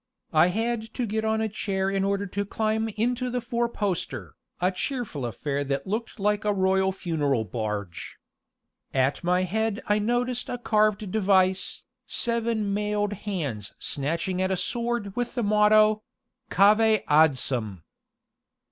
I had to get on a chair in order to climb into the four poster, a cheerful affair that looked like a royal funeral barge. At my head I noticed a carved device, seven mailed hands snatching at a sword with the motto: "CAVE ADSUM!"